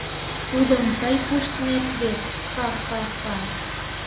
Тудым тый пуштнет вет... ха-ха-ха!